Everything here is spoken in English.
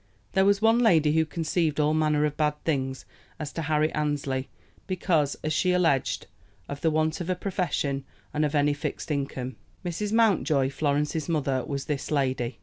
There was one lady who conceived all manner of bad things as to Harry Annesley, because, as she alleged, of the want of a profession and of any fixed income. Mrs. Mountjoy, Florence's mother, was this lady.